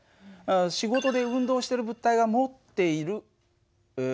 仕事で運動してる物体が持っている能力